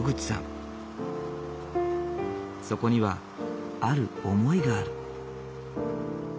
そこにはある思いがある。